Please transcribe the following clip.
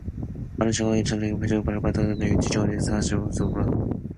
마른 정강이를 장작개비로 패고 발딱 자빠트려 놓고는 발뒤꿈치로 가슴을 사뭇 짓 밟았다.